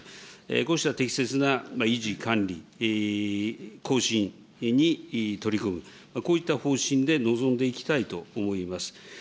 こうした適切な維持・管理・更新に取り組む、こういった方針で臨んでいきたいと思います。